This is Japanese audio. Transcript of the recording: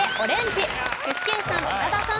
具志堅さん寺田さん